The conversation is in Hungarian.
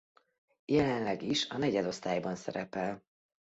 Jelenleg is a negyedosztályban szerepel.